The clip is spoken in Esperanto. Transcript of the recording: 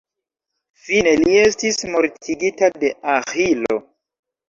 Fine, li estis mortigita de Aĥilo.